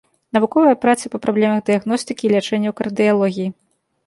Навуковыя працы па праблемах дыягностыкі і лячэння ў кардыялогіі.